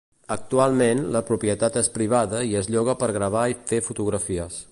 Actualment, la propietat és privada i es lloga per gravar i fer fotografies.